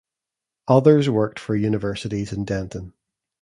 Others worked for universities in Denton.